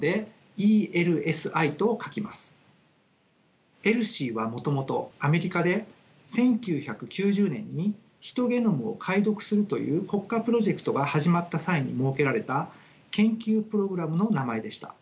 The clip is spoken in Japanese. ＥＬＳＩはもともとアメリカで１９９０年にヒトゲノムを解読するという国家プロジェクトが始まった際に設けられた研究プログラムの名前でした。